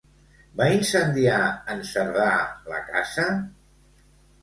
Va incendiar en Cerdà la casa?